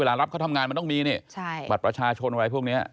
รับเขาทำงานมันต้องมีนี่บัตรประชาชนอะไรพวกนี้